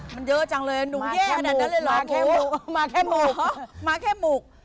มันเยอะจังเลยหนูแย่แบบนั้นเลยเหรอมาแค่หมูก